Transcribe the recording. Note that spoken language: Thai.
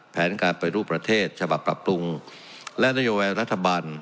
แผนการปฏิรูปประเทศฉบับปรับปรุงและนโยบายรัฐบาล